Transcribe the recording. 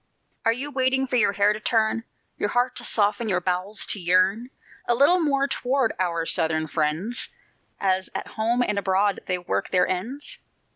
Are you waiting for your hair to turn, Your heart to soften, your bowels to yearn A little more toward "our Southern friends," As at home and abroad they work their ends?